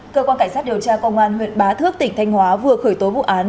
cơ quan cảnh sát điều tra công an huyện bá thước tỉnh thanh hóa vừa khởi tố vụ án